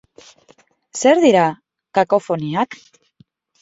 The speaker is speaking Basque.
Zer dira kakofoniak?